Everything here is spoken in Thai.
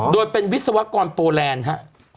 โดยเป็นวิศวกรโปแลนด์ฮะ